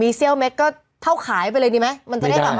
มีเซลล์เมตรก็เท่าขายไปเลยดีไหม